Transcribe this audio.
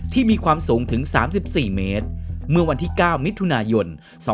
มีความสูงถึง๓๔เมตรเมื่อวันที่๙มิถุนายน๒๕๖